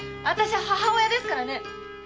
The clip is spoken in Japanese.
あたしは母親ですからね。